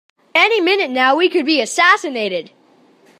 Any minute now we could be assassinated!